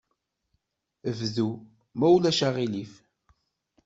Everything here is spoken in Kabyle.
Bdu, ma ulac aɣilif.